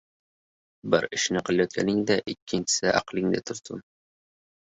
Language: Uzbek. • Bir ishni qilayotganingda ikkinchisi aqlingda tursin.